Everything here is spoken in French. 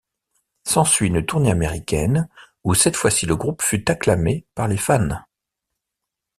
S'ensuit une tournée américaine où cette fois-ci le groupe fut acclamé par les fans.